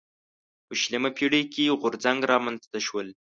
په شلمه پېړۍ کې غورځنګ رامنځته شول.